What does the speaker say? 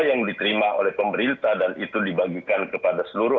yang diterima oleh pemerintah dan itu dibagikan kepada seluruh